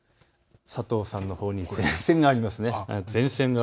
佐藤さんのほうに線がありますね。